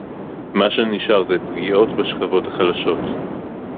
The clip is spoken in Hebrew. מה שנשאר זה פגיעות בשכבות החלשות